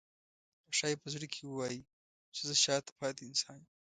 ښایي په زړه کې ووایي چې زه شاته پاتې انسان یم.